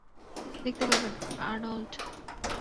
দেখতে পাবেন আর্নল্ড।